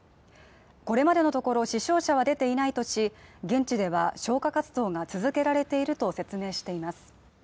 これまでのところ死傷者は出ていないとし現地では消火活動が続けられていると説明しています